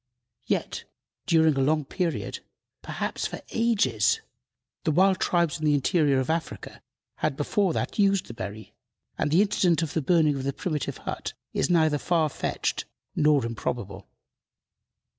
Yet, during a long period perhaps for ages the wild tribes in the interior of Africa had before that date used the berry, and the incident of the burning of the primitive hut is neither far fetched nor improbable.